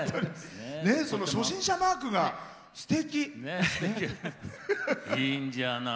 その初心者マークがすてき。